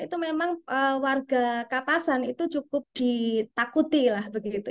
itu memang warga kapasan itu cukup ditakuti lah begitu